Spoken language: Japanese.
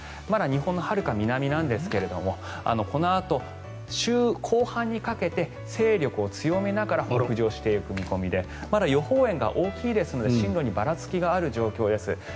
まだ日本のはるか南なんですがこのあと週後半にかけて勢力を強めながら北上していく見込みでまだ予報円が大きいですので進路にばらつきがある状況です。